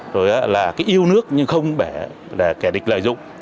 rồi là yêu nước nhưng không kẻ địch lợi dụng